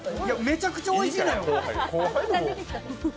めちゃくちゃおいしいのよ。